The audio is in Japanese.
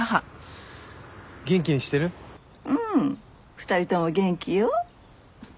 ２人とも元気よ。